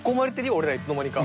俺らいつの間にか。